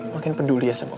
makin peduli ya sama gue